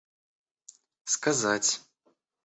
сказать